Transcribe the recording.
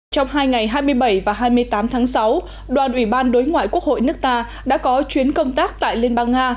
trong hai ngày hai mươi bảy và hai mươi tám tháng sáu đoàn ủy ban đối ngoại quốc hội nước ta đã có chuyến công tác tại liên bang nga